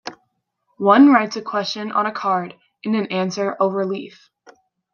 One writes a question on a card and an answer overleaf.